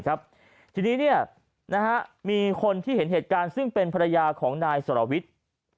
ทีนี้มีคนที่เห็นเหตุการณ์ซึ่งเป็นภรรยาของนายสรวิทย์